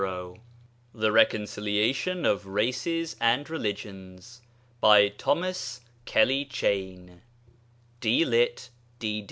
] THE RECONCILIATION OF RACES AND RELIGIONS BY THOMAS KELLY CHEYNE, D. LITT.